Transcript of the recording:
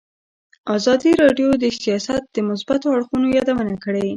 ازادي راډیو د سیاست د مثبتو اړخونو یادونه کړې.